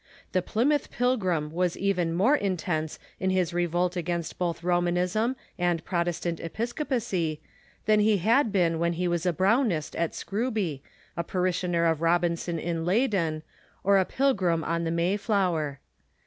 The Plymouth Pilgrim was even more intense in his revolt against both Romanism and Protestant Episcopacy than he had been when he Avas a Brownist at Scrool)y, a parishioner of Robinson in Leyden, or a Pilgrim on the Mar/floioer.